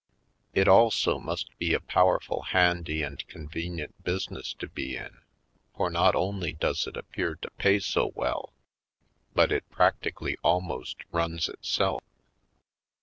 It also must be a powerful handy and convenient business to be in, for not only does it appear to pay so well, but it prac tically alm.ost runs itself.